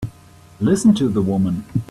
Listen to the woman!